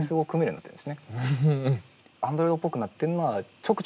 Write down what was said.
うん！